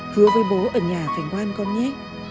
hứa với bố ở nhà phải ngoan con nhé